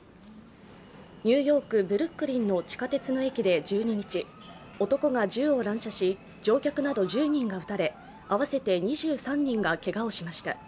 ニューヨーク・ブルックリンの地下鉄の駅で１２日男が銃を乱射し、乗客など１０人が撃たれ、合わせて２３人がけがをしました。